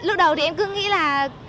lúc đầu thì em cứ nghĩ là